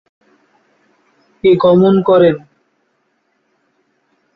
এ গমন করেন।